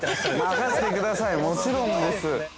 ◆任せてください、もちろんです。